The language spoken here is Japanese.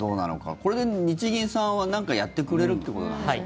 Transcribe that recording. これで日銀さんは何かやってくれるということなんでしょうか。